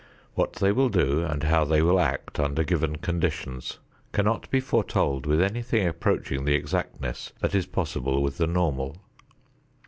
What they will do and how they will act under given conditions cannot be foretold with anything approaching the exactness that is possible with the normal.